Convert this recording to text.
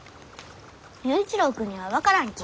佑一郎君には分からんき。